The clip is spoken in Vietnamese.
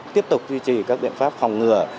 tiếp tục duy trì các biện pháp phòng ngừa